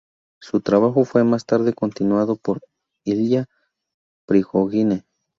Su trabajo fue más tarde continuado por Ilya Prigogine.